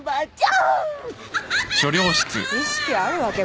意識あるわけ？